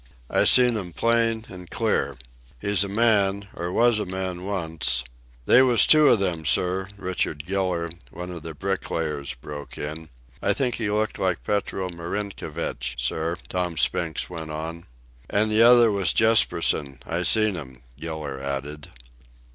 I see 'm plain an' clear. He's a man, or was a man once—" "They was two of 'em, sir," Richard Giller, one of the "bricklayers," broke in. "I think he looked like Petro Marinkovich, sir," Tom Spink went on. "An' the other was Jespersen—I seen 'm," Giller added.